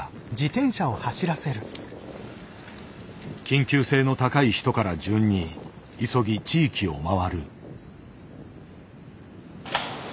緊急性の高い人から順に急ぎ地域を回る。